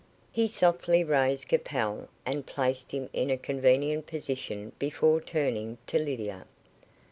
He softly raised Capel, and placed him in a convenient position before turning to Lydia.